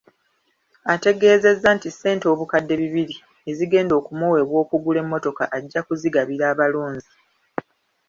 Ategeeza nti ssente obukadde bibiri ezigenda okumuweebwa okugula emmotoka ajja kuzigabira abalonzi.